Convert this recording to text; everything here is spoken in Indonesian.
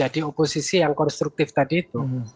dioposisi yang konstruktif tadi itu